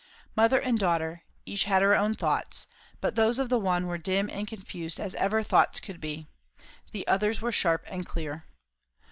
Mother and daughter, each had her own thoughts; but those of the one were dim and confused as ever thoughts could be. The other's were sharp and clear.